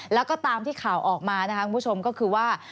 แล้วก็ตามที่ข่าวออกมานะคะคุณผู้ชมก็คือว่า